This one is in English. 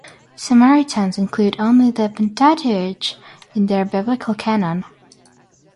Samaritans include only the Pentateuch in their biblical canon.